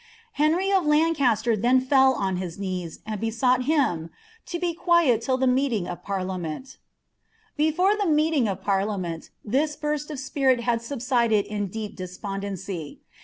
Henry of l^tncast^r then feU <■ his knees, and besought him " to be quiet till tlie meeting atft^' Before the meeiing of parliament, this burst of spirit hail ieep despondency.